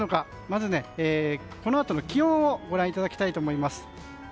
まずは、このあとの気温をご覧いただきたいと思います。